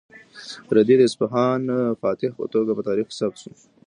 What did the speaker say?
رېدي د اصفهان فاتح په توګه په تاریخ کې ثبت شو.